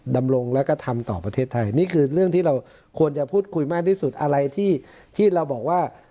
ดำรงแล้วก็ทำต่อประเทศไทยนี่คือเรื่องที่เราควรจะพูดคุยมากที่สุดอะไรที่เราบอกว่า